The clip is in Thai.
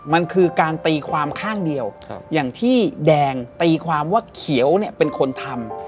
มันคือการตีความข้างเดียวอย่างที่แดงตีความว่าเขียวเนี่ยเป็นคนทำ